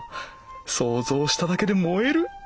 想像しただけでもえる！